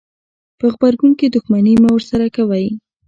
په غبرګون کې دښمني مه ورسره کوئ.